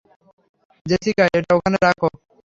Jessica, এটা ওখানে রাখ।